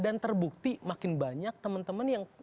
terbukti makin banyak teman teman yang